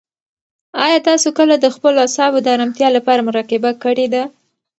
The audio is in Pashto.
آیا تاسو کله د خپلو اعصابو د ارامتیا لپاره مراقبه کړې ده؟